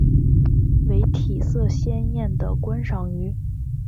为体色鲜艳的观赏鱼。